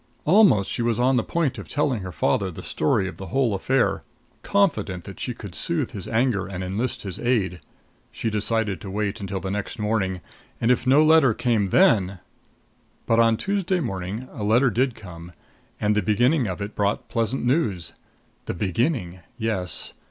Almost she was on the point of telling her father the story of the whole affair, confident that she could soothe his anger and enlist his aid. She decided to wait until the next morning; and, if no letter came then But on Tuesday morning a letter did come and the beginning of it brought pleasant news. The beginning yes.